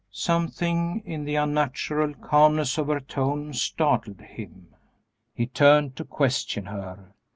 Something in the unnatural calmness of her tone startled him; he turned to question her.